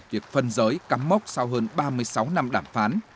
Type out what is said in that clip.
việc phân giới cắm mốc sau hơn ba mươi sáu năm đàm phán